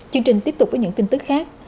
chương trình tiếp tục với những tin tức khác